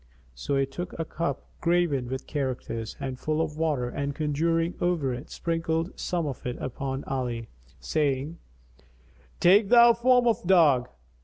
So he took a cup graven with characters and full of water and conjuring over it, sprinkled some of it upon Ali, saying, "Take thou form of dog."